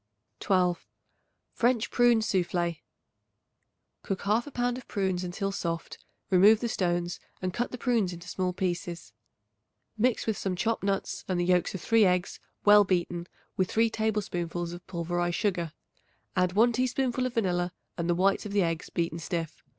12. French Prune Soufflé. Cook 1/2 pound of prunes until soft; remove the stones and cut the prunes into small pieces. Mix with some chopped nuts and the yolks of 3 eggs well beaten with 3 tablespoonfuls of pulverized sugar. Add 1 teaspoonful of vanilla and the whites of the eggs beaten stiff.